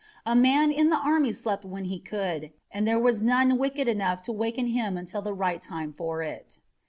A man in the army slept when he could, and there was none wicked enough to awaken him until the right time for it.